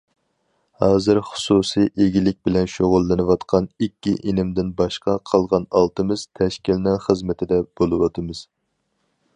ھازىر خۇسۇسىي ئىگىلىك بىلەن شۇغۇللىنىۋاتقان ئىككى ئىنىمدىن باشقا قالغان ئالتىمىز تەشكىلنىڭ خىزمىتىدە بولۇۋاتىمىز.